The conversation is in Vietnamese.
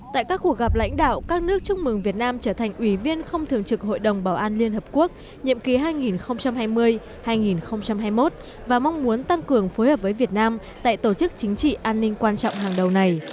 tại các cuộc gặp lãnh đạo các nước chúc mừng việt nam trở thành ủy viên không thường trực hội đồng bảo an liên hợp quốc nhiệm kỳ hai nghìn hai mươi hai nghìn hai mươi một và mong muốn tăng cường phối hợp với việt nam tại tổ chức chính trị an ninh quan trọng hàng đầu này